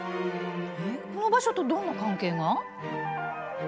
この場所とどんな関係が？